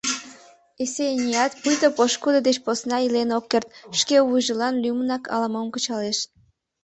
Эсенеят пуйто пошкудо деч посна илен ок керт, шке вуйжылан лӱмынак ала-мом кычалеш.